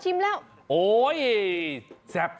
โหยแซบ